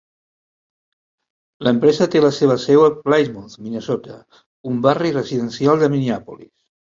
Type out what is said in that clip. L'empresa té la seva seu a Plymouth, Minnesota, un barri residencial de Minneapolis.